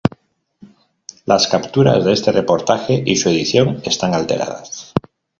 las capturas de este reportaje y su edición están alteradas